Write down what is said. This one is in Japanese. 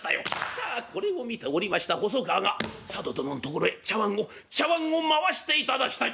さあこれを見ておりました細川が「佐渡殿のところへ茶碗を茶碗を回していただきたい」。